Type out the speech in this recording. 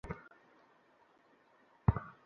কোটটা নিয়ে আসো, কোটটা নিয়ে আসো।